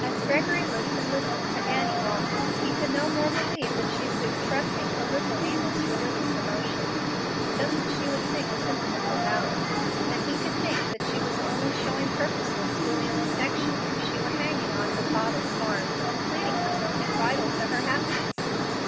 As Gregory looked at and listened to Annie Walton, he could no more believe that she was expressing a little aimless religious emotion, just as she would sing a sentimental ballad, than he could think that she was only showing purposeless filial affection if she were hanging on her father's arm and pleading for something vital to her happiness.